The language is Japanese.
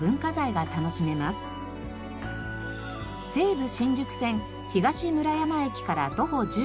西武新宿線東村山駅から徒歩１５分